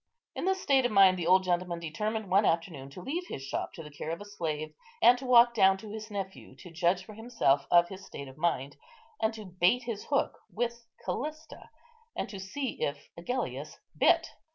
In this state of mind the old gentleman determined one afternoon to leave his shop to the care of a slave, and to walk down to his nephew, to judge for himself of his state of mind; to bait his hook with Callista, and to see if Agellius bit.